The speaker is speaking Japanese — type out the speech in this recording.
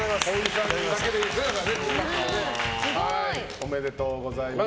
おめでとうございます。